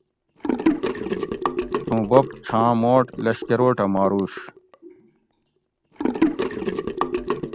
تھوں بوب چھاں موٹ لشکروٹہ ماروش